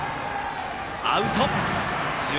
アウト！